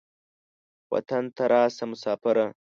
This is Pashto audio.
وطن ته راسه مسافره.